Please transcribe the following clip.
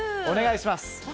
お願いします。